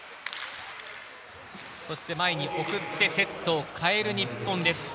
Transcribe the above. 前に送ってセットを変える日本。